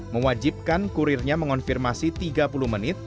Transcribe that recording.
mewajibkan kurirnya mengonfirmasi tiga puluh menit